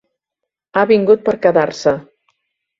Ha vingut per quedar-se.